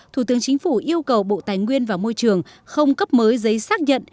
thủ tướng chính phủ yêu cầu bộ tài nguyên và môi trường không cấp mới giấy xác nhận